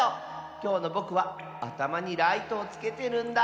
きょうのぼくはあたまにライトをつけてるんだ！